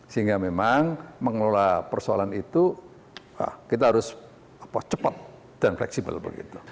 sehingga memang mengelola persoalan itu kita harus cepat dan fleksibel begitu